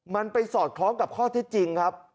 มันไปสอดคล้องกับข้อเท็จจริงครับ